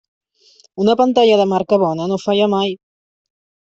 Una pantalla de marca bona no falla mai.